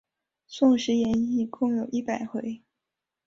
宋史演义共有一百回。